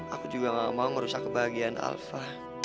aku juga gak mau merusak kebahagiaan alfa